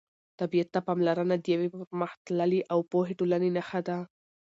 طبیعت ته پاملرنه د یوې پرمختللې او پوهې ټولنې نښه ده.